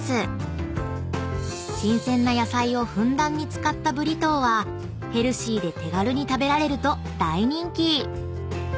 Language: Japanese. ［新鮮な野菜をふんだんに使ったブリトーはヘルシーで手軽に食べられると大人気］